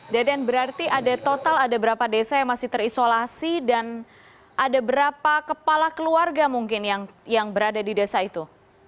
deden berarti ada total ada berapa desa yang masih terisolasi dan ada berapa kepala keluarga mungkin yang berada di desa itu